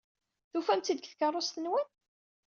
Tufam-tt-id deg tkeṛṛust-nwen?